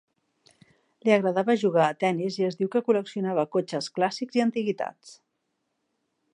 Li agradava jugar a tennis i es diu que col·leccionava cotxes clàssics i antiguitats.